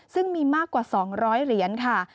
ซึ่งมีมากกว่า๒๐๐เหรียญค่ะ